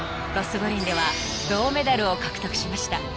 五輪では銅メダルを獲得しました］